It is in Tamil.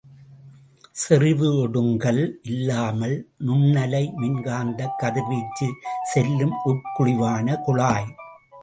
செறிவு ஒடுங்கல் இல்லாமல் நுண்ணலை மின்காந்தக் கதிர்வீச்சு செல்லும் உட்குழிவான குழாய்.